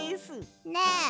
ねえ